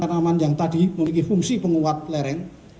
tanaman yang tadi memiliki fungsi penguat lereng